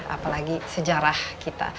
apalagi sejarah kita